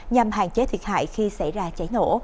nhằm hạn chế thiệt hại khi xảy ra cháy nổ